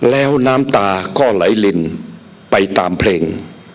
แล้วน้ำตาก็ไหลลินไปตามเพลง